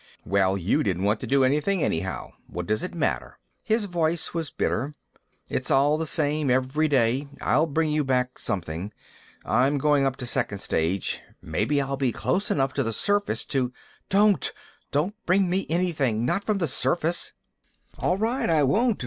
"Well, you didn't want to do anything, anyhow. What does it matter?" His voice was bitter. "It's all the same, every day. I'll bring you back something. I'm going up to second stage. Maybe I'll be close enough to the surface to " "Don't! Don't bring me anything! Not from the surface!" "All right, I won't.